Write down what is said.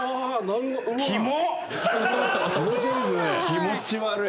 気持ち悪い。